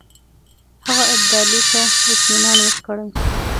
هغه ابدالي ته اطمینان ورکړی.